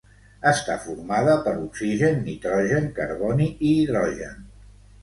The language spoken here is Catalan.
Està formada per oxigen, nitrogen, carboni i hidrogen.